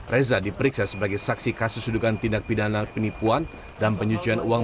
reza diperiksa sebagai saksi kasus sudugan tindak pidana penipuan dan pencucian uang